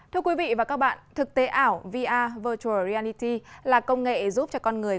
thưa quý vị và các bạn thực tế ảo vr virtual reality là công nghệ giúp cho con người